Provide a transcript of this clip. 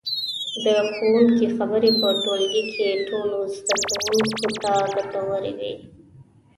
د ښوونکي خبرې په ټولګي کې ټولو زده کوونکو ته ګټورې وي.